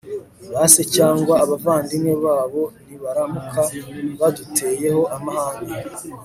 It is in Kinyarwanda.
ba se cyangwa abavandimwe babo nibaramuka baduteyeho amahane